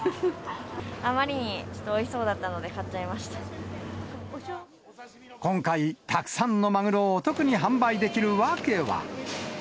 あまりにおいしそうだったの今回、たくさんのマグロをお得に販売できる訳は。